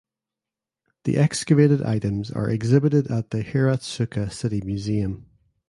The excavated items are exhibited at the Hiratsuka City Museum.